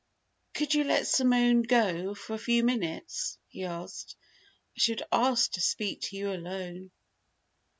"Could you let Simone go for a few minutes?" he asked. "I should like to speak to you alone."